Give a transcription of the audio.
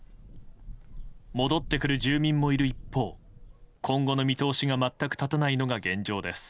戻ってくる住民もいる一方今後の見通しが全く立たないのが現状です。